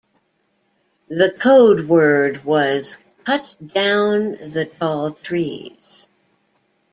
The code word was 'cut down the tall trees'.